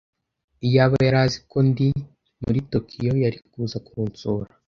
Iyaba yari azi ko ndi muri Tokiyo, yari kuza kunsura.